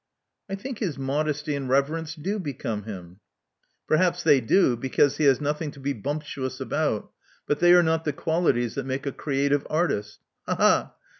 I think his modesty and reverence do become him." Perhaps they do, because he has nothing to be bumptuous about; but they are not the qualities that make a creative artist. Ha! ha!"